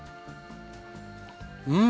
うん！